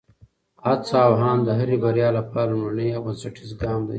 هڅه او هاند د هرې بریا لپاره لومړنی او بنسټیز ګام دی.